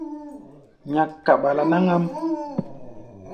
Nyak kaɓala náŋ-ám.